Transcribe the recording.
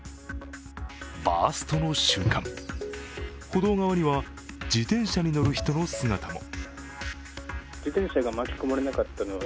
バーストの瞬間、歩道側には自転車に乗る人の姿も。